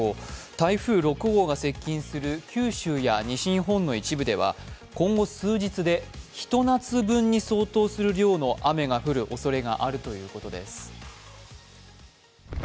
台風６号が接近する九州や西日本の一部では今後数日でひと夏分に相当する量の雨が降るおそれがあるということです。